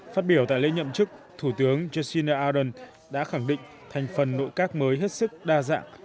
phát biểu tại lễ nhậm chức thủ tướng jacinda ardern đã khẳng định thành phần nội các mới hết sức đa dạng